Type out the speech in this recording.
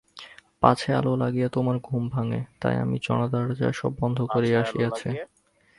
পাছে আলো লাগিয়া তোমার ঘুম ভাঙে তাই আমি জানালা-দরজা সব বন্ধ করিয়া আসিয়াছি।